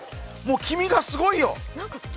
黄身がすごいよ！